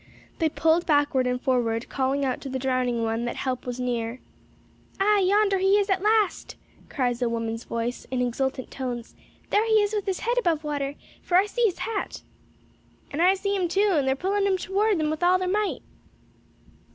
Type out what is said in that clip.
They pulled backward and forward, calling out to the drowning one that help was near. "Ah, yonder he is at last!" cries a woman's voice in exultant tones; "there he is with his head above water, for I see his hat." "And they see him too, and are pulling toward him with all their might!"